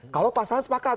kalau pasalnya sepakat